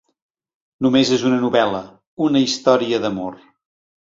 Només és una novel·la, una història d'amor.